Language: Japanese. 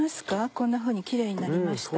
こんなふうにキレイになりました。